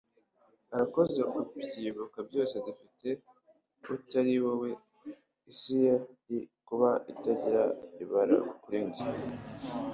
urakoze kubyibuka byose dufite. utari wowe isi yari kuba itagira ibara kuri njye